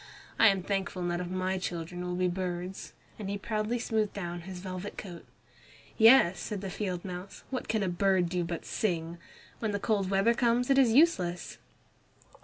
I am thankful none of my children will be birds," and he proudly smoothed down his velvet coat. "Yes," said the field mouse; "what can a bird do but sing? When the cold weather comes it is useless."